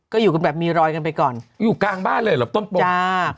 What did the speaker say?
ก็อยู่กันแบบมีรอยกันไปก่อนอยู่กลางบ้านเลยเหรอต้นโป